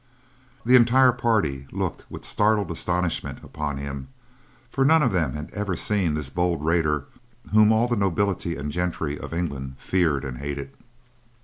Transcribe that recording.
The entire party looked with startled astonishment upon him, for none of them had ever seen this bold raider whom all the nobility and gentry of England feared and hated.